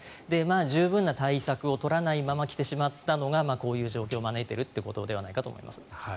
十分な対策を取らないまま来てしまったのがこういう状況を招いてるということではないかと思います。